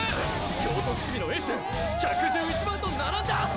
京都伏見のエース１１１番と並んだ！！